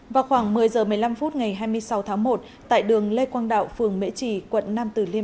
vào khoảng một mươi h một mươi năm phút ngày hai mươi sáu tháng một tại đường lê quang đạo phường mễ trì quận nam tử liêm